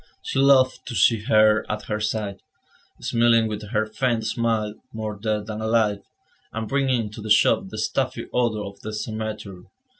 She loved to see her at her side, smiling with her faint smile, more dead than alive, and bringing into the shop the stuffy odour of the cemetery.